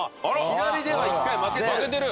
左では１回負けてる。